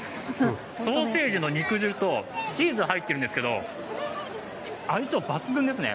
ソーセージの肉汁と、チーズが入ってるんですけど、相性抜群ですね。